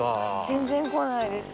全然来ないです。